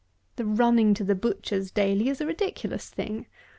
The running to the butchers daily is a ridiculous thing.